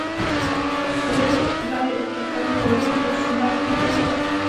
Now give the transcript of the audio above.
ډېری افریقايي هېوادونو داسې بخت نه درلود.